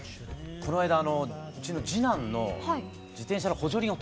この間うちの次男の自転車の補助輪を取ったんですよ。